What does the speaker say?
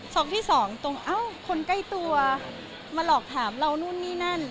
ที่สองตรงเอ้าคนใกล้ตัวมาหลอกถามเรานู่นนี่นั่น